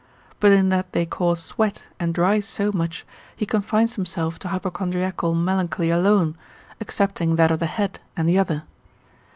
But in that they cause sweat and dry so much, he confines himself to hypochondriacal melancholy alone, excepting that of the head and the other.